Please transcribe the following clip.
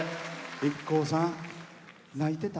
ＩＫＫＯさん、泣いてた？